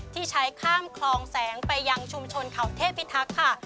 ที่ใช้ข้ามคลองแสงไปยังชุมชนเขาเทพิทักษ์ค่ะ